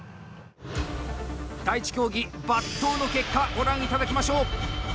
第１競技、伐倒の結果ご覧いただきましょう。